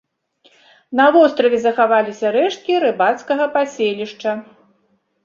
На востраве захаваліся рэшткі рыбацкага паселішча.